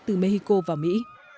từ mexico vào mỹ